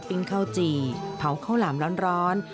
ข้าวจี่เผาข้าวหลามร้อน